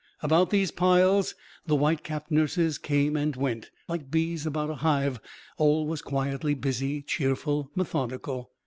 About these piles the white capped nurses came and went, like bees about a hive; all was quietly busy, cheerful, methodical.